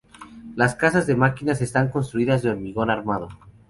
Las casas de máquinas están construidas de hormigón armado.